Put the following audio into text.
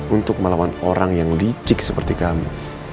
untuk melawan orang yang licik seperti kami